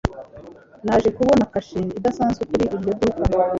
Naje kubona kashe idasanzwe kuri iryo duka.